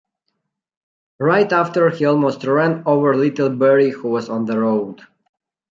Right after, he almost ran over little Barry who was on the road.